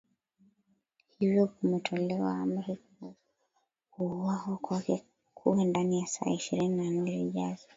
Hivyo kumetolewa amri kuuawa kwake kuwe ndani ya saa ishirini na nne zijazo